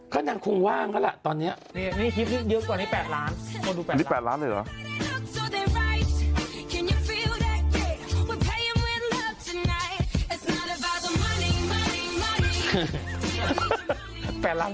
ค่อนข้างคงว่างก็แหละตอนนี้นี่คลิปนี้เยอะกว่านี้๘ล้านนี่๘ล้านเลยหรอ